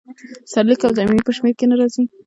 سرلیک او ضمیمې په شمیر کې نه راځي.